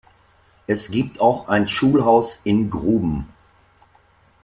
Es gibt auch ein Schulhaus in Gruben.